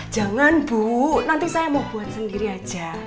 jangan bu nanti saya mau buat sendiri aja